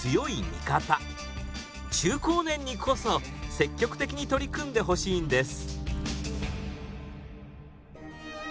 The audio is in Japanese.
中高年にこそ積極的に取り組んでほしいんです。